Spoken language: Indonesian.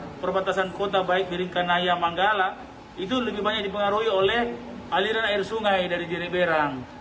di perbatasan kota baik dari kanaya manggala itu lebih banyak dipengaruhi oleh aliran air sungai dari jereberang